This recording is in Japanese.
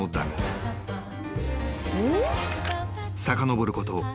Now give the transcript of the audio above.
［さかのぼること